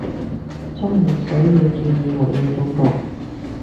沖熱水要注意煤氣中毒